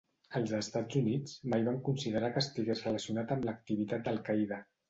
Els Estats Units mai van considerar que estigués relacionat amb activitat d'Al-Qaida.